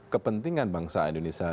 kepentingan bangsa indonesia